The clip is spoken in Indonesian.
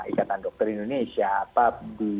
ikatan dokter indonesia apap